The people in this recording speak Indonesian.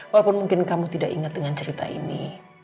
walaupun mungkin kamu tidak ingat dengan cerita ini